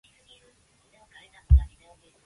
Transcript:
The shape and meaning of her emblem are obscure.